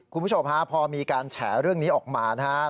คุณผู้ชมฮะพอมีการแฉเรื่องนี้ออกมานะครับ